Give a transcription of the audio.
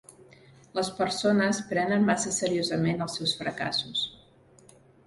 Les persones prenen massa seriosament els seus fracassos.